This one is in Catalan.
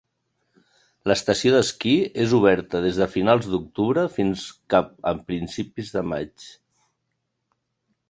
L'estació d'esquí és oberta des de finals d'octubre fins cap a principis de maig.